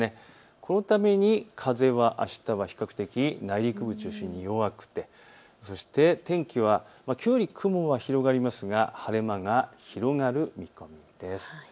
このために風はあしたは比較的、内陸部中心に弱くて天気はきょうより雲が広がりますが晴れ間が広がる見込みです。